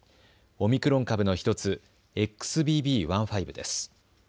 オミクロン株の１つ、ＸＢＢ．１．５です。